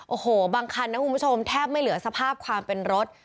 โอ้โหบางคันนะคุณผู้ชมแทบไม่เหลือสภาพความเป็นรถ